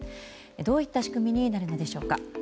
どういった仕組みになるのでしょうか。